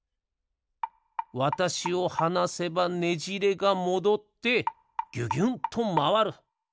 わたしをはなせばねじれがもどってぎゅぎゅんとまわる。